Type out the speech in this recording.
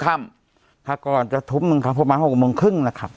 ถ้าก่อนจะทุ่มหนึ่งครับประมาณ๖โมงครึ่งนะครับ